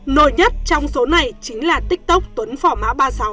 nổi nhất trong số này chính là tiktok tuấn phỏ má ba mươi sáu